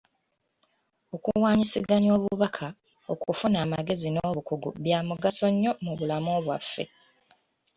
Okuwanyisiganya obubaka, okufuna amagezi n'obukugu bya mugaso nnyo mu bulamu bwaffe.